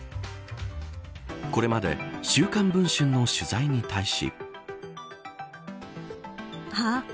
これまで週刊文春の取材に対し。